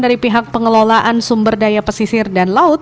dari pihak pengelolaan sumber daya pesisir dan laut